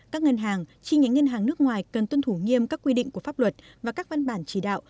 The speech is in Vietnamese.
các ngân hàng chi nhánh ngân hàng nước ngoài cần tuân thủ nghiêm các quy định của pháp luật và các văn bản chỉ đạo